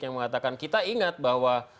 yang mengatakan kita ingat bahwa